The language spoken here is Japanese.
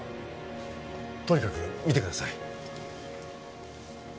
とにかく見てください。